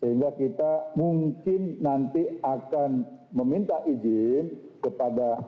sehingga kita mungkin nanti akan meminta izin kepada